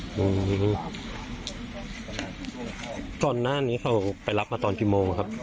ใช่ปกติอื้อหือตอนหน้านี้เขาไปรับมาตอนกี่โมงครับ